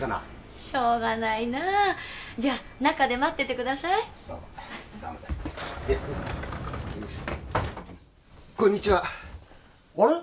しょうがないなあじゃあ中で待っててくださいどうもどうもどうもこんにちはあれ？